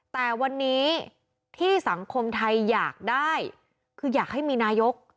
แต่วันนี้ที่สังคมไทยอยากได้คืออยากให้มีนายก